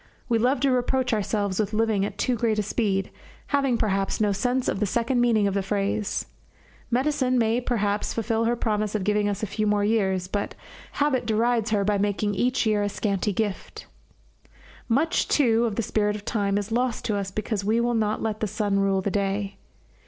We love to reproach ourselves with living at too great a speed, having, perhaps, no sense of the second meaning of the phrase. Medicine may, perhaps, fulfil her promise of giving us a few more years, but habit derides her by making each year a scanty gift. Much, too, of the spirit of time is lost to us because we will not let the sun rule the day.